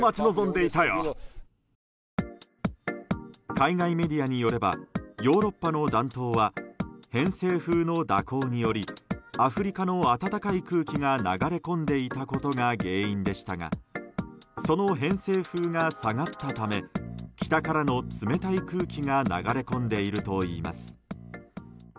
海外メディアによればヨーロッパの暖冬は偏西風の蛇行によりアフリカの暖かい空気が流れ込んでいたことが原因でしたがその偏西風が下がったため北からの冷たい空気が流れ込んでいるといいます。